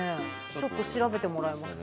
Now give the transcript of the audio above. ちょっと調べてもらいます。